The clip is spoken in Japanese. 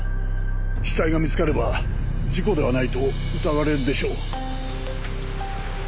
死体が見つかれば事故ではないと疑われるでしょう。